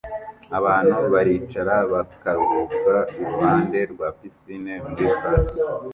Abantu baricara bakaruhuka iruhande rwa pisine muri plaza